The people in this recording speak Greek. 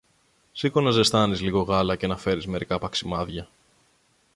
Σήκω να ζεστάνεις λίγο γάλα και να φέρεις μερικά παξιμάδια.